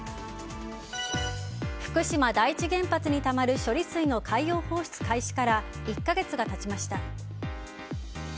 福島第一原発にたまる処理水の海洋放出開始から１か月が経ちました。